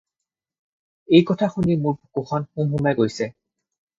এই কথা শুনি মোৰ বুকুখন হম-হমাই গৈছে।